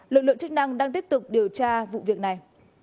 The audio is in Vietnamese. lực lượng chức năng đang tiếp tục điều tra vụ việc này